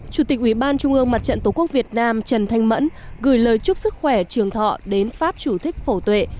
chủ tịch ubnd tổ quốc việt nam trần thanh mẫn gửi lời chúc sức khỏe trường thọ đến pháp chủ thích phổ tuệ